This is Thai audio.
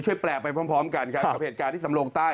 แปลกไปพร้อมกันครับกับเหตุการณ์ที่สำโลงใต้